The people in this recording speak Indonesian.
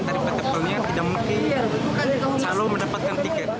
daripada pelni yang tidak mempunyai calo mendapatkan tiket